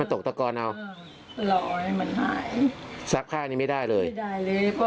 ไม่ได้เลยเพราะใส่ไปยังไม่ได้เปิดดู